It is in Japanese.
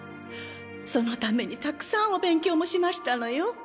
そのためにたくさんお勉強もしましたのよ。